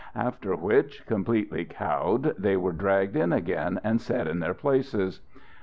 After which, completely cowed, they were dragged in again and set in their places.